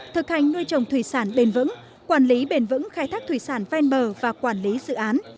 thực hành nuôi trồng thủy sản bền vững quản lý bền vững khai thác thủy sản ven bờ và quản lý dự án